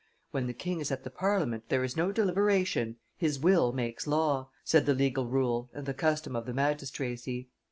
"When the king is at the Parliament, there is no deliberation; his will makes law," said the legal rule and the custom of the magistracy.